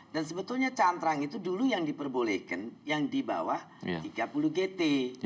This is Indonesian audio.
dan sebetulnya cantrang itu dulu yang diperbolehkan yang di bawah tiga puluh gt